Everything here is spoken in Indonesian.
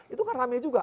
itu kan rame juga